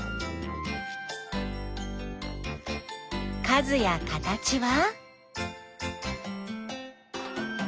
数や形は？